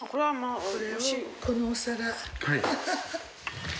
このお皿。